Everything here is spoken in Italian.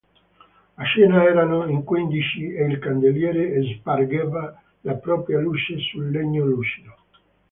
A cena erano in quindici e il candeliere spargeva la propria luce sul legno lucido